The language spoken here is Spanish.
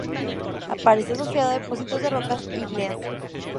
Aparece asociado a depósitos de rocas ígneas.